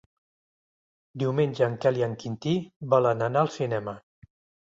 Diumenge en Quel i en Quintí volen anar al cinema.